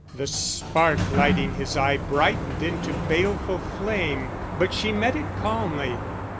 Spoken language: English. The spark lighting his eye brightened into baleful flame, but she met it calmly.